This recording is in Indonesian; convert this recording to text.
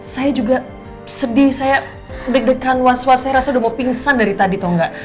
saya juga sedih saya deg degan was was saya rasa udah mau pingsan dari tadi tuh enggak